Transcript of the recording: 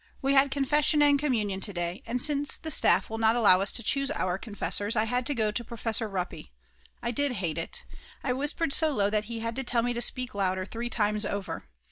We had confession and communion to day, and since the staff will not allow us to choose our confessors, I had to go to Professor Ruppy. I did hate it. I whispered so low that he had to tell me to speak louder three times over.